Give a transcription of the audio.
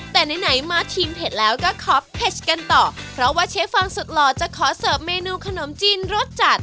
แต่ไหนไหนมาชิมเผ็ดแล้วก็ขอเผ็ดกันต่อเพราะว่าเชฟฟังสุดหล่อจะขอเสิร์ฟเมนูขนมจีนรสจัด